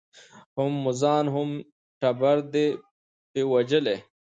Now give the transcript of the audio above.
هم مو ځان هم مو ټبر دی په وژلی